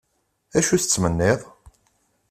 Acu tettmenniḍ?